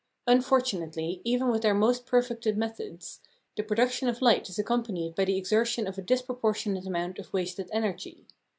Unfortunately, even with our most perfected methods, the production of light is accompanied by the exertion of a disproportionate amount of wasted energy.